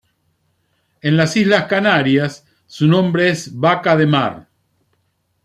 En las Islas Canarias su nombre es vaca de mar.